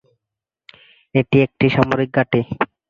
এটি একটি সামরিক ঘাঁটি।